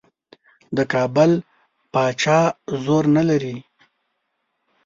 د کابل پاچا زور نه لري.